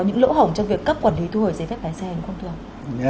những lỗ hổng trong việc cấp quản lý thu hồi chế phép nền xe